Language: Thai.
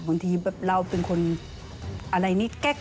บางทีเราเป็นคนอะไรนี่แก๊ก